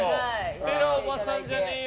ステラおばさんじゃねーよ！